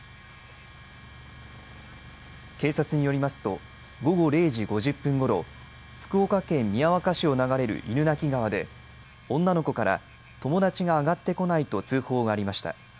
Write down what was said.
警察によりますと午後０時５０分ごろ、福岡県宮若市を流れる犬鳴川で女の子から友だちが上がってこないと通報がありました。